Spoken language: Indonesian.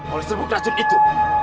oleh serbuk racun itu